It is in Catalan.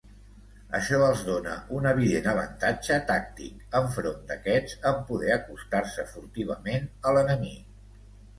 Això els dóna un evident avantatge tàctic enfront d'aquests, en poder acostar-se furtivament a l'enemic.